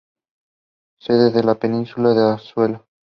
Sede de la península de Azuero.